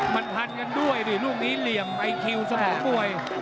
มันพันกันด้วยดิลูกนี้เหลี่ยมไอคิวสมองมวย